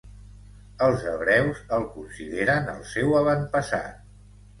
Els hebreus el consideren el seu avantpassat.